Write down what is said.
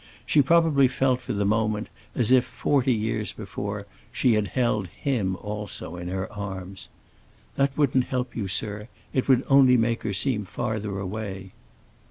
She probably felt for the moment as if, forty years before, she had held him also in her arms. "That wouldn't help you, sir. It would only make her seem farther away."